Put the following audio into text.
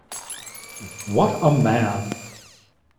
What a man!